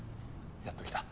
やっと来た。